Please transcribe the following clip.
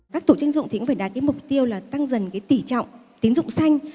các tổ chức tín dụng phải đạt đến mục tiêu là tăng dần tỉ trọng tín dụng xanh